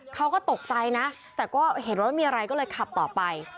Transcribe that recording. เขาก็ตกใจนะแต่ก็เห็นว่าไม่มีอะไรก็เลยขับต่อไป